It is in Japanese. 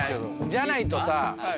じゃないとさ。